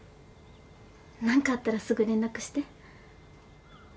何かあったらすぐ連絡して。